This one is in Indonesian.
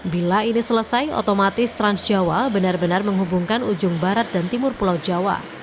bila ini selesai otomatis transjawa benar benar menghubungkan ujung barat dan timur pulau jawa